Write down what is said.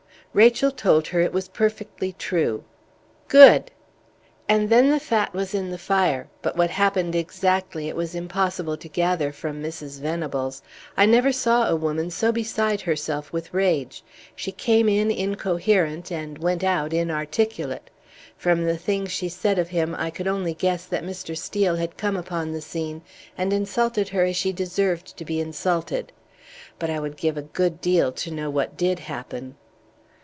"Rachel told her it was perfectly true." "Good!" "And then the fat was in the fire; but what happened exactly it was impossible to gather from Mrs. Venables. I never saw a woman so beside herself with rage. She came in incoherent, and went out inarticulate! From the things she said of him, I could only guess that Mr. Steel had come upon the scene and insulted her as she deserved to be insulted. But I would give a good deal to know what did happen."